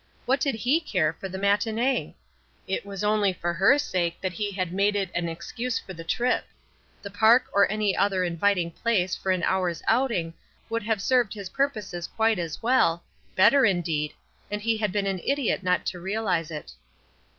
What did he care for the matinee ? It was only for her sake that he had made it an excuse for the trip. The park or any other inviting place for an hour's outing would have served his purposes quite as well, better indeed, and he had been an idiot not to realize it.